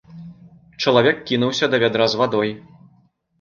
Чалавек кінуўся да вядра з вадой.